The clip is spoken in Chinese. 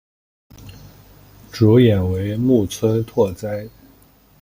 主演为木村拓哉。